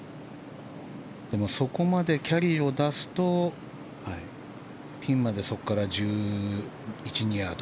でも、そこまでキャリーを出すとピンまでそこから１１１２ヤード。